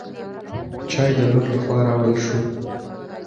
چای د لور له خوا راوړل شو.